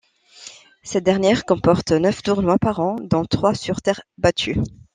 Cette dernière comporte neuf tournois par an, dont trois sur terre battue.